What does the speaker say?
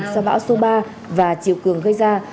sau bão số ba và chiều cường gây ra